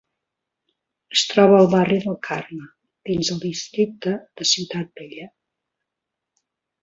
Es troba al barri del Carme, dins el districte de Ciutat Vella.